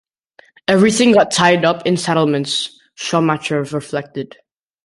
"Everything got tied up in settlements", Schumacher reflected.